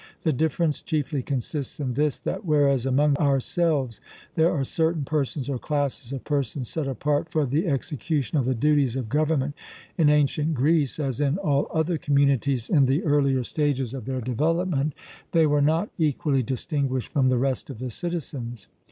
The difference chiefly consists in this, that whereas among ourselves there are certain persons or classes of persons set apart for the execution of the duties of government, in ancient Greece, as in all other communities in the earlier stages of their development, they were not equally distinguished from the rest of the citizens.